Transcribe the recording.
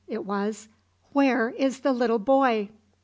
it was; 'Where is the little boy?'